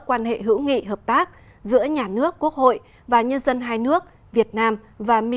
quan hệ hữu nghị hợp tác giữa nhà nước quốc hội và nhân dân hai nước việt nam và micro